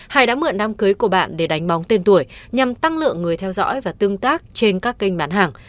hải đã mượn nam cưới của bạn để đánh bóng tên tuổi nhằm tăng lượng người theo dõi và tương tác trên các kênh bán hàng